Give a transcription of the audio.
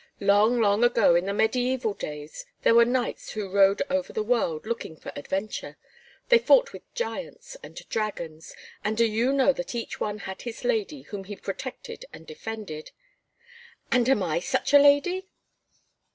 "Long, long ago in the mediaeval days there were knights who rode over the world, looking for adventure. They fought with giants and dragons, and do you know that each one had his lady, whom he protected and defended?" "And am I such a lady?"